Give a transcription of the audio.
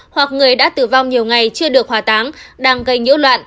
hoặc người đã tử vong nhiều ngày chưa được hòa táng đang gây nhiễu loạn